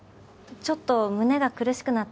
ちょっと胸が苦しくなって。